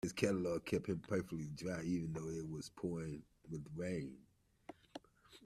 His cagoule kept him perfectly dry even though it was pouring with rain